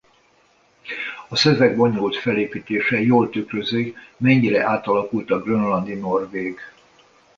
A szöveg bonyolult felépítése jól tükrözi mennyire átalakult a grönlandi norvég.